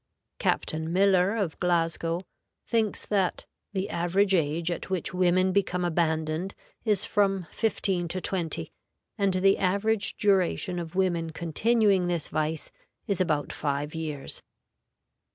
Captain Miller, of Glasgow, thinks that "the average age at which women become abandoned is from fifteen to twenty, and the average duration of women continuing this vice is about five years."